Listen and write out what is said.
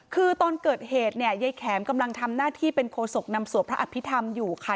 คือตอนเกิดเหตุเนี่ยยายแข็มกำลังทำหน้าที่เป็นโคศกนำสวดพระอภิษฐรรมอยู่ค่ะ